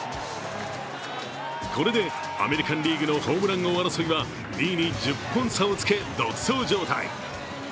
これでアメリカン・リーグのホームラン王争いは２位に１０本差をつけ独走状態。